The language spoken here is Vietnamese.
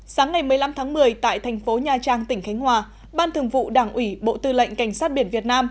sáng ngày một mươi năm tháng một mươi tại thành phố nha trang tỉnh khánh hòa ban thường vụ đảng ủy bộ tư lệnh cảnh sát biển việt nam